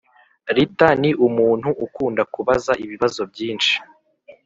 Rita ni umuntu ukunda kubaza ibibazo byinshi